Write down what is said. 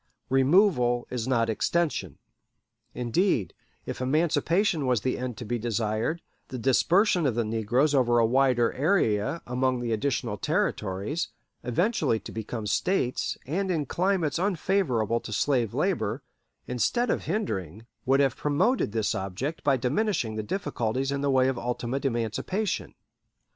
Removal is not extension. Indeed, if emancipation was the end to be desired, the dispersion of the negroes over a wider area among additional Territories, eventually to become States, and in climates unfavorable to slave labor, instead of hindering, would have promoted this object by diminishing the difficulties in the way of ultimate emancipation.